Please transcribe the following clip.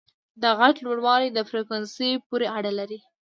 د غږ لوړوالی د فریکونسي پورې اړه لري.